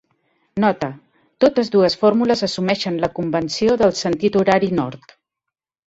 "Nota: totes dues fórmules assumeixen la convenció del sentit horari nord.